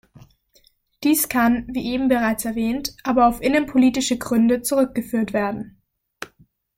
Dies kann, wie eben bereits erwähnt, aber auf innenpolitische Gründe zurückgeführt werden.